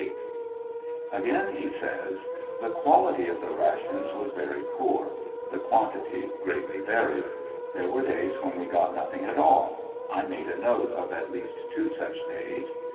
745 'Again he says : The quality of the rations was very poor ; the quantity greatly varied. There were days when we got nothing at all ; I made a note ot at least two such days.